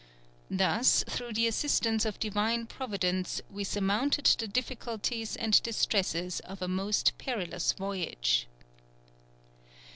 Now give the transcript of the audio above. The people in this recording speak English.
Thus, through the assistance of Divine Providence, we surmounted the difficulties and distresses of a most perilous voyage."